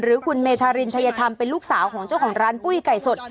หรือคุณเมธารินชัยธรรมเป็นลูกสาวของเจ้าของร้านปุ้ยไก่สด